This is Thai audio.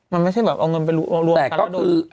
มันไม่ใช่แบบเอาเงินไปรวมกันแล้วโดนไปอย่างนี้แหละนะครับแต่ก็คือ